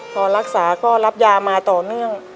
พอรักษาก็รับยามาต่อเนื่อง